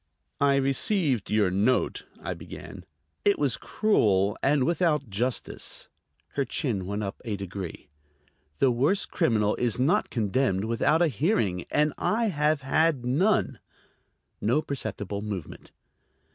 "I received your note," I began. "It was cruel and without justice." Her chin went up a degree. "The worst criminal is not condemned without a hearing, and I have had none." No perceptible movement.